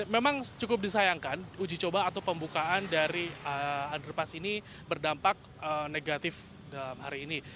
memang cukup disayangkan uji coba atau pembukaan dari underpass ini berdampak negatif dalam hari ini